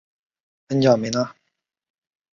恩贾梅纳。